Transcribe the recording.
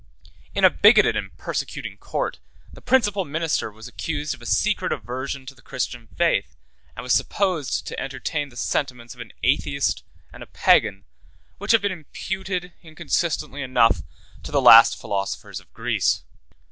In a bigoted and persecuting court, the principal minister was accused of a secret aversion to the Christian faith, and was supposed to entertain the sentiments of an Atheist and a Pagan, which have been imputed, inconsistently enough, to the last philosophers of Greece.